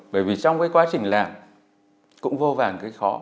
bởi vì trong cái quá trình làm cũng vô vàn cái khó